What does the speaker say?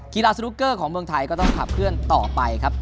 กีฬาสนุกเกอร์ของเมืองไทยก็ต้องขับเคลื่อนต่อไปครับ